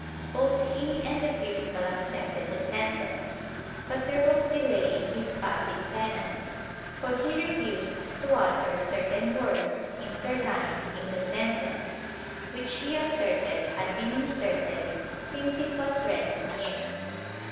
Both he and the fiscal accepted the sentence, but there was delay in his public penance, for he refused to utter certain words interlined in the sentence, which he asserted had been inserted since it was read to him.